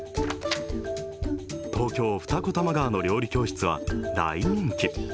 東京・二子玉川の料理教室は大人気。